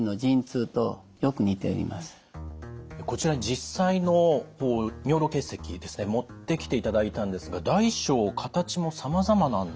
こちらに実際の尿路結石持ってきていただいたんですが大小形もさまざまなんですね。